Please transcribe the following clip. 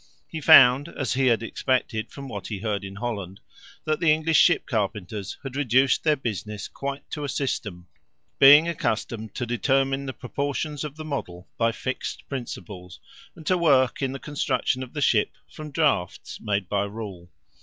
He found, as he had expected from what he heard in Holland, that the English ship carpenters had reduced their business quite to a system, being accustomed to determine the proportions of the model by fixed principles, and to work, in the construction of the ship, from drafts made by rule.